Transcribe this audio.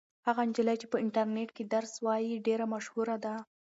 هغه نجلۍ چې په انټرنيټ کې درس وایي ډېره مشهوره ده.